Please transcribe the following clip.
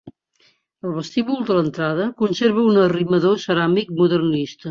El vestíbul de l'entrada conserva un arrimador ceràmic modernista.